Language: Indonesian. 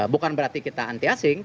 bukan berarti kita anti asing